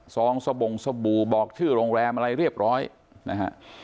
ซองสบงสบู่บอกชื่อโรงแรมอะไรเรียบร้อยนะฮะ